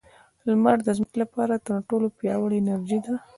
• لمر د ځمکې لپاره تر ټولو پیاوړې انرژي ده.